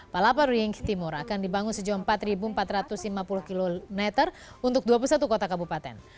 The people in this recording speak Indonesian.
palapa ring timur akan dibangun sejauh empat empat ratus lima puluh km untuk dua puluh satu kota kabupaten